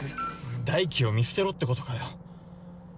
大樹を見捨てろってことかよ。